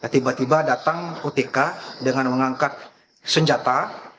tiba tiba datang otk dengan mengangkat senjata